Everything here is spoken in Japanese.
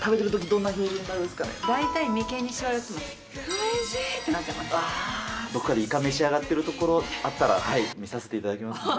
どこかでイカ召し上がってるところあったら、見させていただきますね。